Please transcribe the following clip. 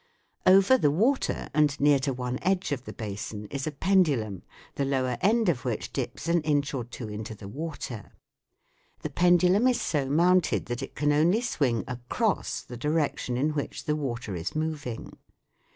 pose (Fig. 60). Over the water and near to one edge of the basin is a pendulum, the lower end of which dips an inch or two into the water. The pendulum is so mounted that it can only swing across the direction in which the water is moving.